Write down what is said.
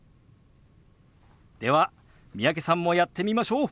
では三宅さんもやってみましょう。